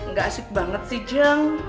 gak asyik banget sih jeng